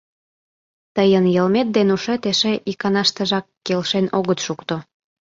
Тыйын йылмет ден ушет эше иканаштыжак келшен огыт шукто.